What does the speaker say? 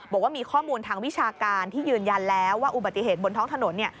บอกว่ามีข้อมูลทางวิชาการที่ยืนยันแล้วว่าอุบัติเหตุบนท้องถนน